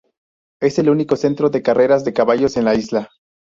Es el único centro de carreras de caballos en la isla.